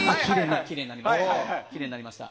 きれいになりました。